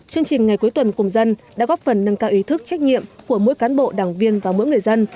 chương trình ngày cuối tuần cùng dân đã góp phần nâng cao ý thức trách nhiệm của mỗi cán bộ đảng viên và mỗi người dân